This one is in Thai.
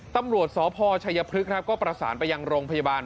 ตำรวจสพชัยพฤกษ์ครับก็ประสานไปยังโรงพยาบาล